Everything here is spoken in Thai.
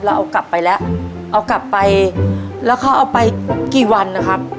เราเอากลับไปแล้วเอากลับไปแล้วเขาเอาไปกี่วันนะครับ